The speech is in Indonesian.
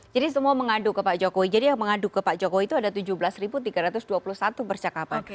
jadi semua mengadu ke pak jokowi jadi yang mengadu ke pak jokowi itu ada tujuh belas tiga ratus dua puluh satu percakapan